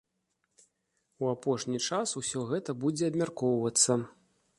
У апошні час усё гэта будзе абмяркоўвацца.